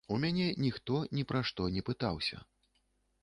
У мяне ніхто ні пра што не пытаўся.